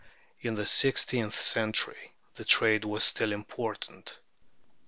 In the six teenth century the trade was still important.